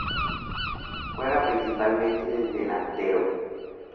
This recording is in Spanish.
Juega principalmente de delantero.